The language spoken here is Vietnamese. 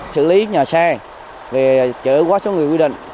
xử lý nhà xe về chở quá số người quy định